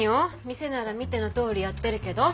店なら見てのとおりやってるけど。